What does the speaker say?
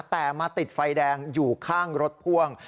แต่มาติดไฟแดงอยู่ข้างรถพ่วง